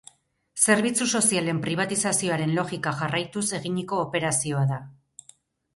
Zerbitzu sozialen pribatizazioaren logika jarraituz eginiko operazioa da.